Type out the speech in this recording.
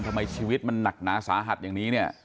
ทำไมชีวิตมันหนักหนาสาหัสอย่างนี้เนี่ย